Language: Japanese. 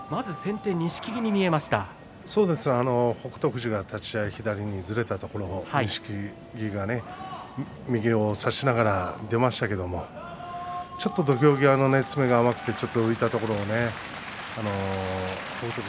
富士が立ち合い左にずれたところを錦木が右を差しながら出ましたけれどもちょっと土俵際の詰めが甘くて浮いたところを北勝